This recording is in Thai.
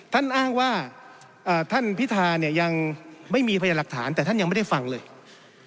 ท่านอ้างว่าท่านพิธาเนี่ยยังไม่มีพยาหลักฐานแต่ท่านยังไม่ได้ฟังเลย